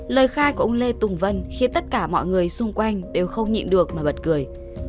lời khai của ông lê tùng vân khiến tất cả mọi người xung quanh đều không nhịn được mà bật cười